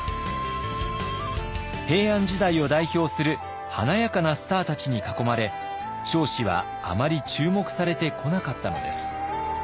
平安時代を代表する華やかなスターたちに囲まれ彰子はあまり注目されてこなかったのです。